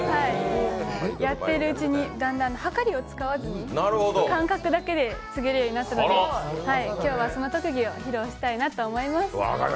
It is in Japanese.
やっているうちにだんだん、はかりを使わずに感覚だけでつげるようになったので今日は、その特技を披露したいなと思います。